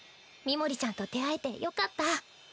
ミモリちゃんと出会えてよかった。